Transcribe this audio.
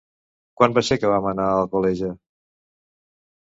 Quan va ser que vam anar a Alcoleja?